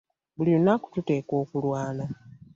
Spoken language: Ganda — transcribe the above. Buli lunaku tuteekwa okulwana.